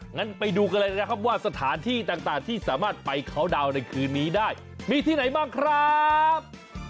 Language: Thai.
งั้นไปดูกันเลยนะครับว่าสถานที่ต่างที่สามารถไปเคาน์ดาวน์ในคืนนี้ได้มีที่ไหนบ้างครับ